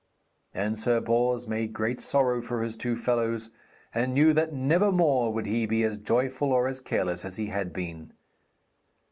Then Sir Bors made great sorrow for his two fellows, and knew that never more would he be as joyful or as careless as he had been.